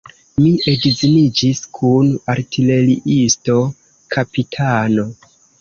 Mi edziniĝis kun artileriisto, kapitano.